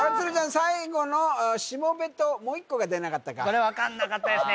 最後のしもべともう一個が出なかったかこれ分かんなかったですね